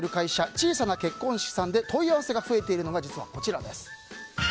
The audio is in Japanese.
小さな結婚式さんで問い合わせが増えているのが実はこちらです。